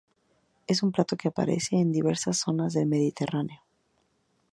Es un plato que aparece en diversas zonas del mediterráneo.